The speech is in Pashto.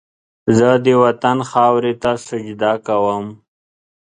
زه د وطن خاورې ته سجده کوم